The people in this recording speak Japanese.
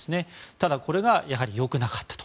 ただこれがやはり良くなかったと。